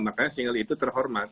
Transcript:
makanya single itu terhormat